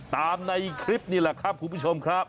ตามในคลิปนี่แหละครับคุณผู้ชมครับ